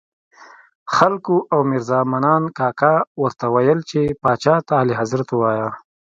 خلکو او میرزا منان کاکا ورته ویل چې پاچا ته اعلیحضرت ووایه.